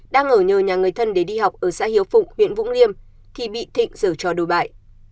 đang ở nhờ nhà người thân để đi học ở xã hiếu phụng huyện vũng liêm khi bị thịnh giở trò đổi bại